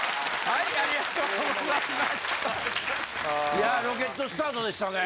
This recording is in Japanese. いやロケットスタートでしたね。